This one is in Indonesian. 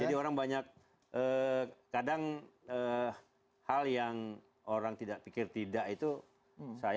jadi orang banyak kadang hal yang orang tidak pikir tidak itu saya